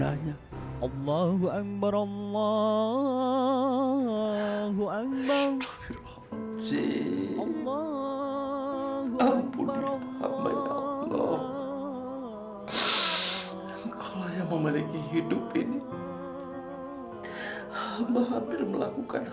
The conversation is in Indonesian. ayo pak umar makan dulu setelah ini